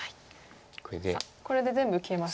さあこれで全部消えます。